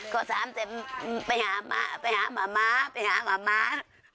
เขาถามไปหามาไปหาหม่าม้าไปหาหม่าม้า